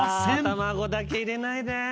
卵だけ入れないで。